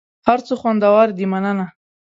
هر څه خوندور دي مننه .